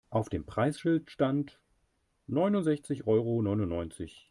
Auf dem Preisschild stand neunundsechzig Euro neunundneunzig.